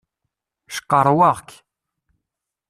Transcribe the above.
Cqerwaɣ-k.